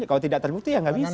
kalau tidak terbukti ya nggak bisa